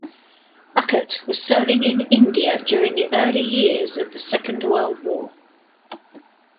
Urquhart was serving in India during the early years of the Second World War.